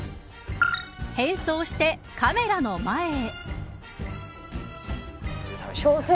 変装してカメラの前へ。